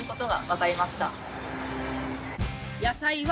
野菜は。